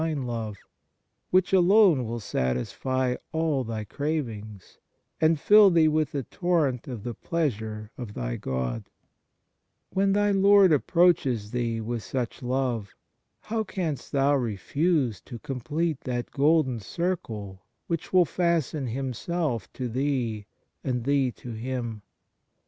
2 In Cant., horn. 83. 101 THE MARVELS OF DIVINE GRACE which alone will satisfy all thy cravings, and fill thee with the torrent of the pleasure of thy God ? When thy Lord approaches thee with such love, how canst thou refuse to complete that golden circle which will fasten Himself to thee and thee to Him